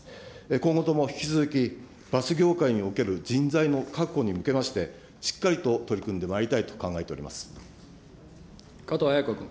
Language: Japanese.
今後とも引き続き、バス業界における人材の確保に向けまして、しっかりと取り組んでまいりたいと加藤鮎子君。